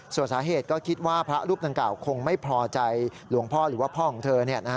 ส่วนสาเหตุก็คิดว่าพระรูปนั้นเก่าคงไม่พอใจหรือว่าพ่อของเธอ